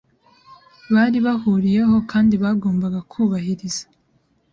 bari bahuriyeho kandi bagombaga kubahiriza